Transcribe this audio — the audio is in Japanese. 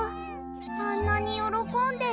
あんなによろこんでる。